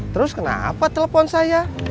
terus kenapa telepon saya